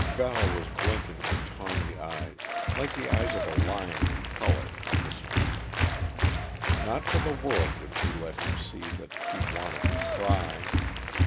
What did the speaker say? Val was blinking her tawny eyes like the eyes of a lion in color at the street. Not for the world would she let him see that she wanted to cry!